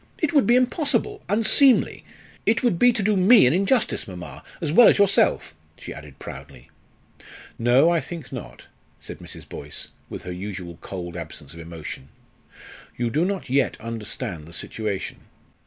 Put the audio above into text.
It would be impossible unseemly. It would be to do me an injustice, mamma, as well as yourself," she added proudly. "No, I think not," said Mrs. Boyce, with her usual cold absence of emotion. "You do not yet understand the situation.